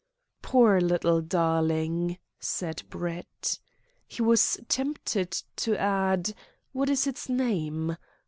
"Poor little darling!" said Brett. He was tempted to add: "What is its name?"